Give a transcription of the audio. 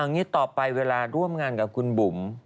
งี้ต่อไปเวลาร่วมงานกับคุณบุ๋ม